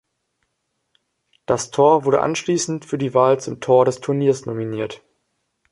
Das Tor wurde anschließend für die Wahl zum "Tor des Turniers" nominiert.